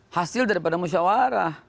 hasil daripada musyawarah